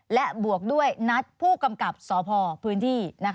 และบวกด้วยนัดผู้กำกับสพพื้นที่